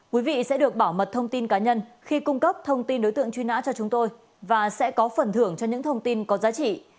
quý vị sẽ được bảo mật thông tin cá nhân khi cung cấp thông tin đối tượng truy nã cho chúng tôi và sẽ có phần thưởng cho những thông tin có giá trị